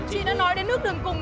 chị đã nói đến nước đường cùng